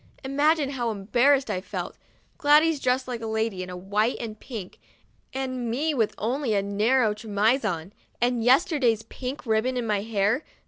Imagine how embarrassed I felt, Gladys dressed like a lady, in white and pink, and me with only a narrow chemise on, and yesterday's pink ribbon in my hair.